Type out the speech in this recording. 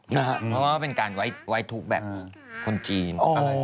เพราะว่าเป็นการไว้ทุกข์แบบคนจีน